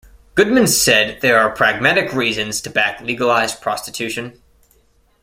Goodman said there are pragmatic reasons to back legalized prostitution.